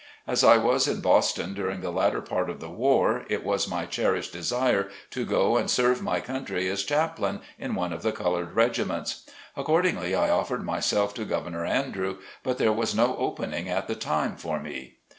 As I was in Boston during the latter part of the War, it was my cherished desire to go and serve my country as chaplain in one of the colored regiments. Accordingly I offered myself to Gov ernor Andrew, but there was no opening at the time for me.